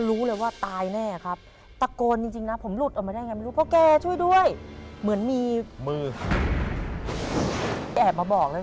เมลลิเกย์มั่งอย่าแย่งไม่ยกหมดแน่เลยเนี่ยแย่งไม่เล่น